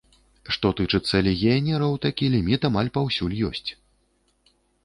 Што тычыцца легіянераў, такі ліміт амаль паўсюль ёсць.